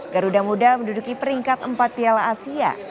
garuda muda menduduki peringkat empat piala asia